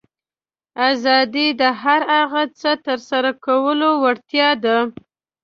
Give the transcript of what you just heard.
آزادي د هر هغه څه ترسره کولو وړتیا ده.